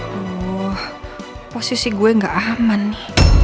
wah posisi gue gak aman nih